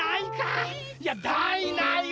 あいや「だいない」